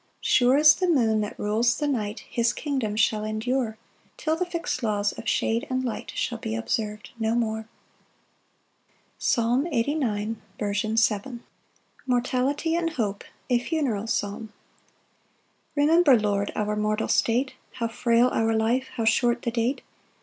6 "Sure as the moon that rules the night "His kingdom shall endure, "Till the fix'd laws of shade and light "Shall be observ'd no more." Psalm 89:7. 47 &c. Sixth Part. Mortality and hope. A funeral psalm. 1 Remember, Lord, our mortal state, How frail our life, how short the date!